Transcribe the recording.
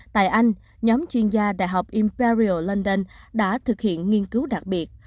tại anh nhóm chuyên gia đại học imperial lendern đã thực hiện nghiên cứu đặc biệt